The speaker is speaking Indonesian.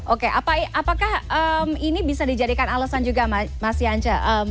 oke apakah ini bisa dijadikan alasan juga mas yance